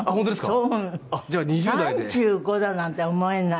３５だなんて思えない。